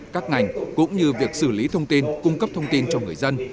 các ngành cũng như việc xử lý thông tin cung cấp thông tin cho người dân